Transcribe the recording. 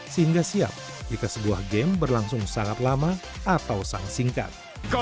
sehingga siap jika sebuah game berlangsung sangat lama atau sangat singkat